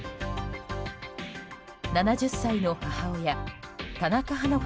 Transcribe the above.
７０歳の母親田中花子